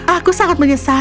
aku sangat menyesal